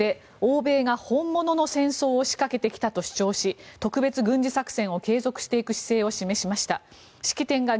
プーチン大統領は演説で欧米が本物の戦争を仕掛けてきたと主張し特別軍事作戦を継続していく姿勢を示しました。